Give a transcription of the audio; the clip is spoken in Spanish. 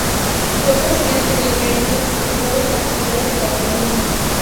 Fue presidente del Gremio de Profesores Particulares de Cataluña.